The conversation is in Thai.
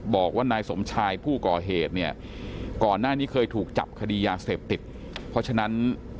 บอกว่านายสมชายผู้ก่อเหตุเนี่ยก่อนหน้านี้เคยถูกจับคดียาเสพติดเพราะฉะนั้น